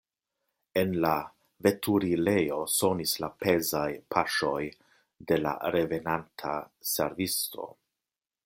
En la veturilejo sonis la pezaj paŝoj de la revenanta servisto.